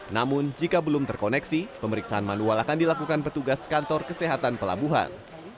namun jika belum terkoneksi pemeriksaan manual akan dilakukan petugas kantor kesehatan pelabuhan